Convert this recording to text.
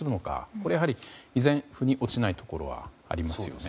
これはやはり、依然腑に落ちないところはありますよね。